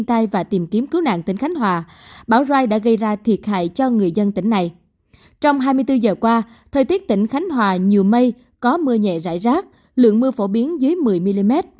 trong hai mươi bốn giờ qua thời tiết tỉnh khánh hòa nhiều mây có mưa nhẹ rải rác lượng mưa phổ biến dưới một mươi mm